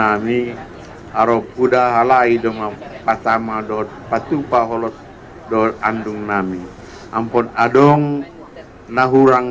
ami arok udah halai dengan pertama dot patung pak holos door andung nami ampun adon nahurang